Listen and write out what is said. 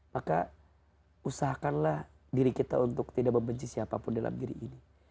maka usahakanlah diri kita untuk tidak membenci siapapun dalam diri ini